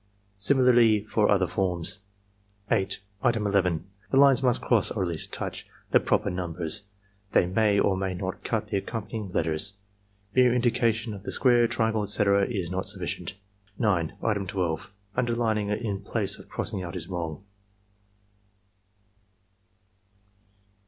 Similarly for other forms. 8. Item 11, — ^The lines must cross, or at least touch, the proper numbers; they may or may not cut the accompanying letters. Mere indication of the square, triangle, etc., is not sufficient. 9. Item 1%. — ^Underlining in place of crossing out is wrong.